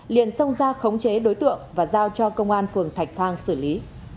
liền xông ra khống chế đối tượng và giao cho công an phường thạch thang xử lý